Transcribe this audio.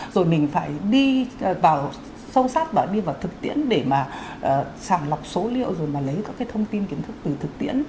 rồi mình phải đi vào sâu sát và đi vào thực tiễn để mà sàng lọc số liệu rồi mà lấy các cái thông tin kiến thức từ thực tiễn